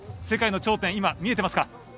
世界の頂点、見えていますか？